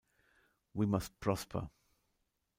We must prosper!